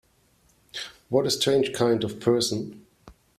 What a strange kind of person!